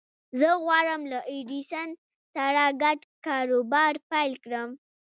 زه غواړم له ايډېسن سره ګډ کاروبار پيل کړم.